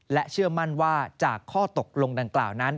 เชื่อมั่นว่าจากข้อตกลงดังกล่าวนั้น